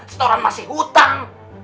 setoran masih hutang